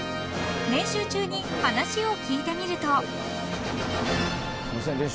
［練習中に話を聞いてみると］